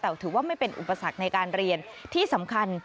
แต่ถือว่าไม่เป็นอุปสรรคในการเรียนที่สำคัญ